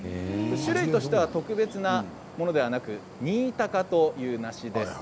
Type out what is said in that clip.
種類としては特別なものではなく新高という梨です。